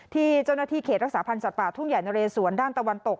ที่เจ้าหน้าที่เขตรักษาพันธ์สัตว์ป่าทุ่งใหญ่นะเรสวนด้านตะวันตก